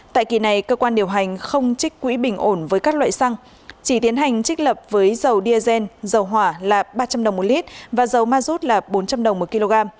tại kỳ này cơ quan điều hành không trích quỹ bình ổn với các loại xăng chỉ tiến hành trích lập với dầu diesel dầu hỏa là ba trăm linh đồng một lít và dầu ma rút là bốn trăm linh đồng một kg